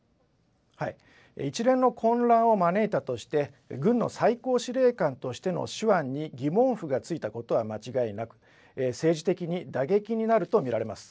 一連の混乱を招いたとして、軍の最高司令官としての手腕に疑問符がついたことは間違いなく、政治的に打撃になると見られます。